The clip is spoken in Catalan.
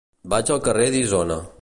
Vaig al carrer d'Isona.